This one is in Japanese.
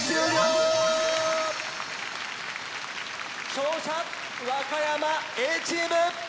勝者和歌山Ａチーム！